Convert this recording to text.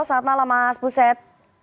saat malam mas buset